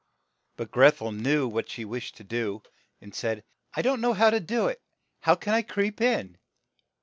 But Greth el knew what she wished to do, and said, "I don't know how to do it. How can I creep in?'